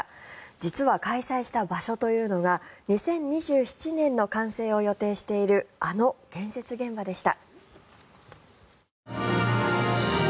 実は開催した場所というのが２０２７年の完成を予定しているあの建設現場でした。